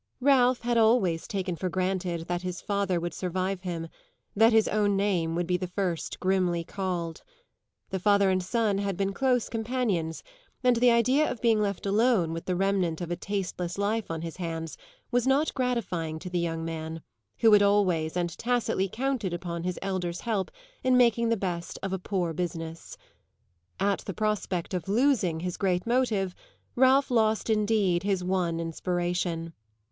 Ralph had always taken for granted that his father would survive him that his own name would be the first grimly called. The father and son had been close companions, and the idea of being left alone with the remnant of a tasteless life on his hands was not gratifying to the young man, who had always and tacitly counted upon his elder's help in making the best of a poor business. At the prospect of losing his great motive Ralph lost indeed his one inspiration.